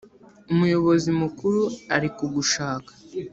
umuyobozi mukuru ari kugushaka”